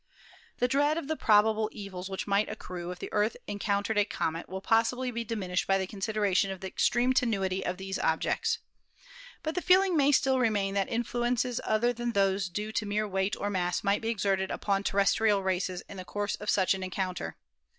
"The dread of the possible evils which might accrue if 242 ASTRONOMY the Earth encountered a comet will possibly be diminished by the consideration of the extreme tenuity of these ob jects. But the feeling may still remain that influences other than those due to mere weight or mass might be exerted upon terrestrial races in the course of such an encounter.